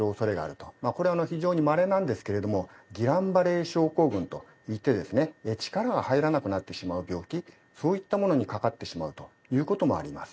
これは非常にまれなんですけれどもギラン・バレー症候群といってですね力が入らなくなってしまう病気そういったものにかかってしまうという事もあります。